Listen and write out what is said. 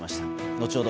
後ほど